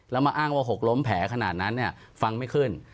แล้วมาอ้างว่าหกล้มแผลขนาดนั้นฟังไม่ขึ้น